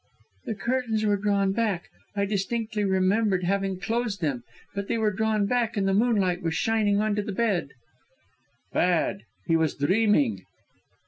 "The curtains were drawn back; I distinctly remembered having closed them, but they were drawn back; and the moonlight was shining on to the bed." "Bad; he was dreaming."